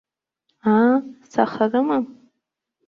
Аа, саха рымам!